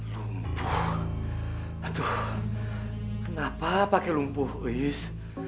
lumpuh aduh kenapa pakai lumpuh iis